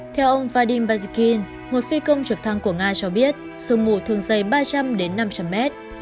theo ông vadim bazikin một phi công trực thăng của nga cho biết sông mù thường dây ba trăm linh năm trăm linh m